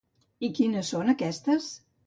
I quines són aquestes?